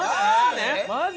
マジ！？